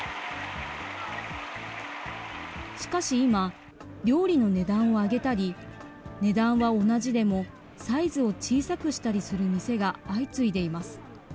しかし今、料理の値段を上げたり、値段は同じでもサイズを小さくしたりする店が相次いでいます。